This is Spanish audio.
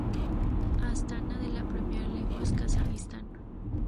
Astana de la Premier League de Kazajistán.